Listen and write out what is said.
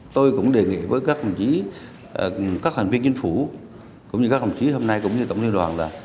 tôi cũng đề nghị với các hành viên chính phủ cũng như các hành vi hôm nay cũng như tổng thương đoàn là